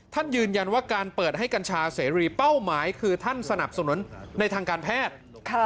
ยืนยันว่าการเปิดให้กัญชาเสรีเป้าหมายคือท่านสนับสนุนในทางการแพทย์